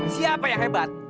siapa yang hebat